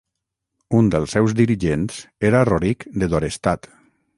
Un dels seus dirigents era Rorik de Dorestad.